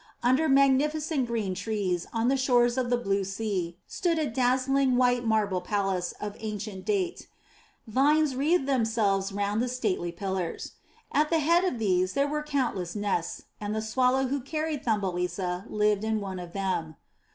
Under magnificent green trees on the shores of the blue sea stood a dazzling white marble palace of ancient date; vines wreathed themselves round the stately pillars. At the head of these there were countless nests, and the Swallow who carried ThumbeHsa lived in one of them.